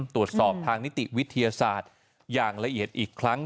ตรวจสอบทางนิติวิทยาศาสตร์อย่างละเอียดอีกครั้ง